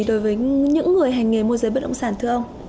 đối với những người hành nghề môi giới bất động sản thưa ông